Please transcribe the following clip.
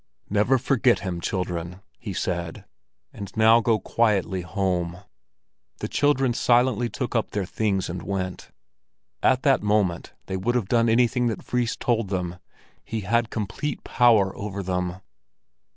"Never forget him, children!" he said; "and now go quietly home." The children silently took up their things and went; at that moment they would have done anything that Fris told them: he had complete power over them.